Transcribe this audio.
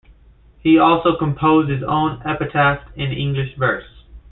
He also composed his own epitaph in English verse.